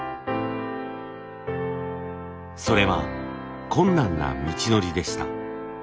それは困難な道のりでした。